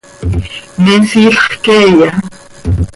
¿Me siilx queeya?